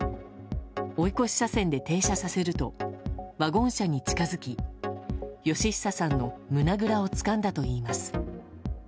追い越し車線で停車させるとワゴン車に近づき嘉久さんの胸ぐらをつかんだといいます。